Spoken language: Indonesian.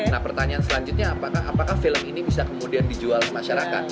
nah pertanyaan selanjutnya apakah film ini bisa kemudian dijual di masyarakat